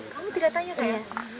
kamu tidak tanya saya